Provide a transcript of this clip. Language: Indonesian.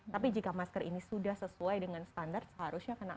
tapi jika masker ini sudah sesuai dengan standar seharusnya tidak apa apa